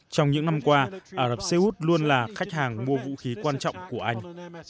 trong những năm qua ả rập xê út luôn là khách hàng mua vũ khí quan trọng của anh